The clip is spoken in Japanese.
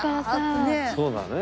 そうだね。